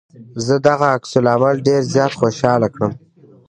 زه دغه عکس العمل ډېر زيات خوشحاله کړم.